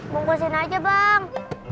pusin aja bang